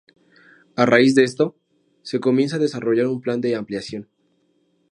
A raíz de esto, se comienza a desarrollar un plan de ampliación.